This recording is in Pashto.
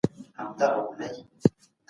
دولت به په لویو لارو پیسې ولګوي.